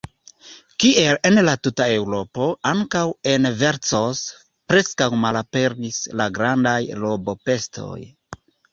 Kiel en la tuta Eŭropo, ankaŭ en Vercors preskaŭ malaperis la grandaj rabobestoj.